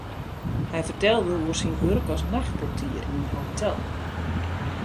Hy fertelde oer syn wurk as nachtportier yn in hotel.